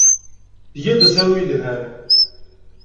Tga-d asaru yelhan.